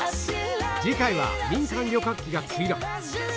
次回は民間旅客機が墜落